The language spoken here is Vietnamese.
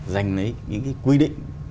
dành lấy những cái quy định